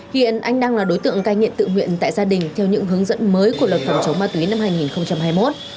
hiện anh đang là đối tượng cai nghiện tự nguyện tại gia đình theo những hướng dẫn mới của luật phòng chống ma túy năm hai nghìn hai mươi một